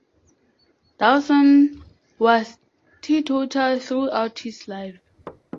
Dawson was teetotal throughout his life.